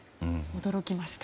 驚きました。